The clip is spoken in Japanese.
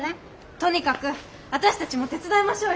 とにかく私たちも手伝いましょうよ。